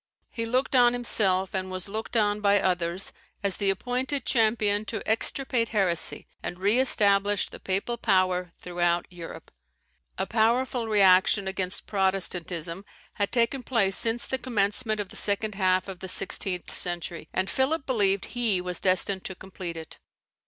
He looked on himself, and was looked on by others, as the appointed champion to extirpate heresy and re establish the Papal power throughout Europe. A powerful reaction against Protestantism had taken place since the commencement of the second half of the sixteenth century, and Philip believed that he was destined to complete it.